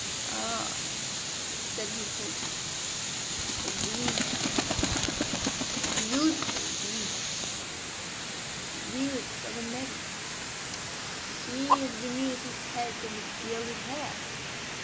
"Ha!" said he thoughtfully, "the Venus—the beautiful Venus?—the Venus of the Medici?—she of the diminutive head and the gilded hair?